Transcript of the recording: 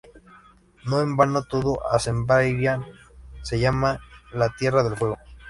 No en vano todo Azerbaiyán se llama la tierra del fuego.